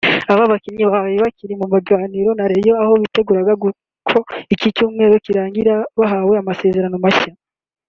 Aba bakinnyi bari bakiri mu biganiro na Rayon aho bateganyaga ko iki cyumweru kirangira bahawe amasezerano mashya